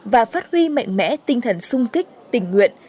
và phát huy mạnh mẽ tinh thần sung kích tình nguyện